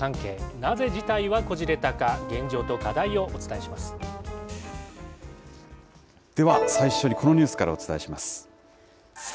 なぜ事態はこじれたか、現状と課では、最初にこのニュースからお伝えします。